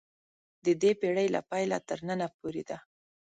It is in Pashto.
د دې پېړۍ له پیله تر ننه پورې ده.